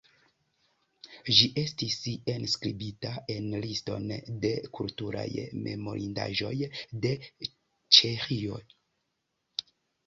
Ĝi estis enskribita en liston de kulturaj memorindaĵoj de Ĉeĥio.